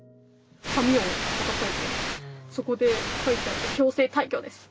紙を渡されてそこで書いてあって「強制退去です」。